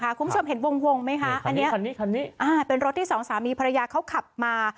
คุณผู้ชมเห็นวงวงไหมคะอันนี้คันนี้คันนี้อ่าเป็นรถที่สองสามีภรรยาเขาขับมา